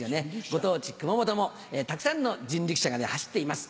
ご当地熊本もたくさんの人力車が走っています。